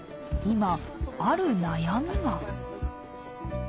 今ある悩みが。